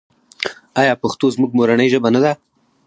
آیا پښتو زموږ مورنۍ ژبه نه ده؟